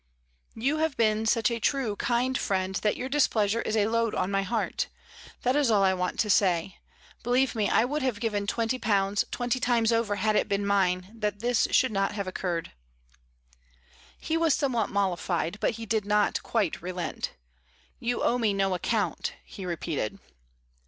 "You have been such a true, kind friend that yOur displeasure is a load on my heart, that is all I want to say. Believe me, I would have given twenty pounds, twenty times over, had it been mine, that this should not have occurred." He was somewhat mollified, but he did not quite relent. "You owe me no account," he repeated.